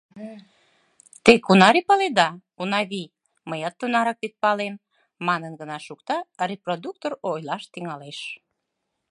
Те кунаре паледа, Унавий, мыят тунарак вет палем, — манын гына шукта, репродуктор ойлаш тӱҥалеш: